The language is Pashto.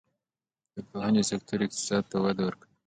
د پوهنې سکتور اقتصاد ته وده ورکوي